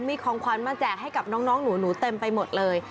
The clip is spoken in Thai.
มีของขวัญมาแจกให้กับน้องหนูเต็มไปหมดเลย